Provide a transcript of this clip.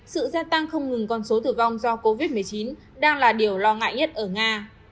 sự gia tăng không ngừng con số tử vong do covid một mươi chín đang là điều lo ngại nhất ở nga